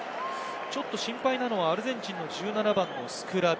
ちょっと心配なのはアルゼンチンの１７番スクラビ。